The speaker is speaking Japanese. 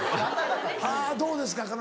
どうですか？